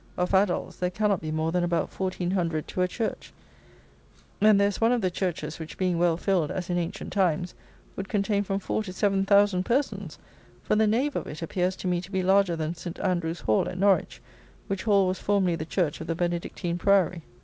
Of adults, there cannot be more than about 1400 to a church; and there is one of the churches which, being well filled, as in ancient times, would contain from four to seven thousand persons, for the nave of it appears to me to be larger than St. Andrew's Hall at Norwich, which Hall was formerly the church of the Benedictine Priory.